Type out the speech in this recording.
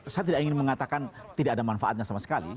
saya tidak ingin mengatakan tidak ada manfaatnya sama sekali